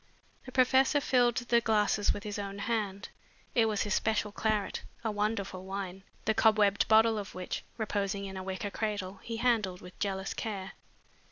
The professor filled the glasses with his own hand. It was his special claret, a wonderful wine, the cobwebbed bottle of which, reposing in a wicker cradle, he handled with jealous care.